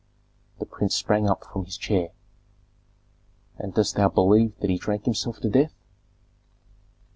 The prince sprang up from his chair. "And dost thou believe that he drank himself to death?"